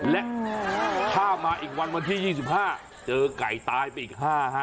และถ้ามาอีกวันวันที่๒๕เจอไก่ตายไปอีก๕ฮะ